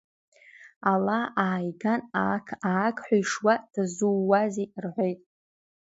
Ала ааиган аақ-аақ ҳәа ишуа, дазууазеи, — рҳәеит.